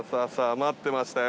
待ってましたよ。